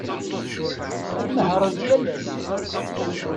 Ad nehhṛent yal ass.